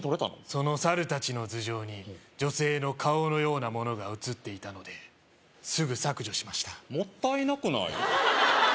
そのサル達の頭上に女性の顔のようなものが写っていたのですぐ削除しましたもったいなくない？